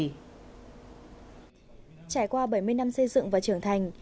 trải qua bảy mươi năm xây dựng và trưởng thành